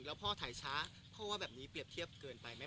แล้วพ่อถ่ายช้าพ่อว่าแบบนี้เปรียบเทียบเกินไปไหม